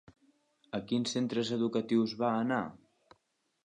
A quins centres educatius va anar?